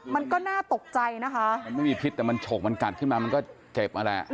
มันก็น่าตกใจนะคะมันไม่มีพิษแต่มันฉกมันกัดขึ้นมามันก็เจ็บนั่นแหละ